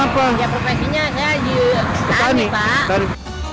ya profesinya aja petani pak